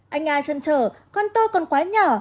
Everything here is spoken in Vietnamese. anh a chân trở con tôi còn quá nhỏ